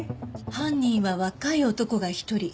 犯人は若い男が１人。